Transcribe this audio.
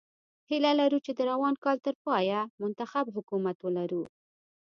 هیله لرو چې د روان کال تر پایه منتخب حکومت ولرو.